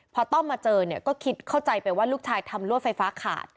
พอต้อมมาเจอเนี่ยก็คิดเข้าใจไปว่าลูกชายทำลวดไฟฟ้าขาด